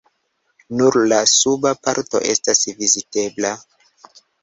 Nur la suba parto estas vizitebla.